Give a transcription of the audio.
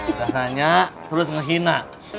udah nanya terus ngehina